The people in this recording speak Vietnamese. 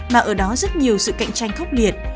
mà ở đó rất nhiều sự cạnh tranh khốc liệt